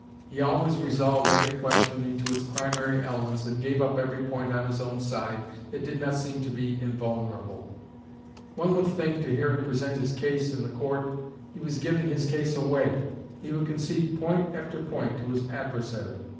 He always resolved every question into its primary elements, and gave up every point on his own side that did not seem to be invulnerable. One would think, to hear him present his case in the court, he was giving his case away. He would concede point after point to his adversary.